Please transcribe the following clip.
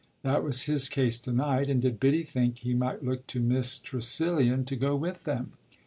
That was his case to night, and did Biddy think he might look to Miss Tressilian to go with them?